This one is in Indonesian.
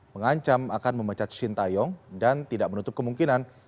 mengancam akan memecat shin taeyong dan tidak menutup kemungkinan